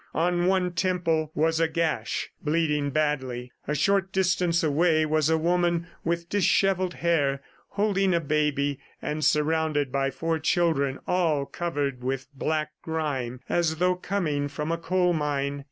On one temple was a gash, bleeding badly. A short distance away was a woman with dishevelled hair, holding a baby, and surrounded by four children all covered with black grime as though coming from a coal mine.